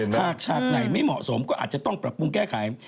ฉากไหนไม่เหมาะสมก็อาจจะต้องปรับปรุงแก้ไข